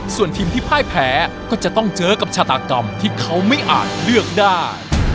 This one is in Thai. ส่วนทีมที่พ่ายแพ้ก็จะต้องเจอกับชาตากรรมที่เขาไม่อาจเลือกได้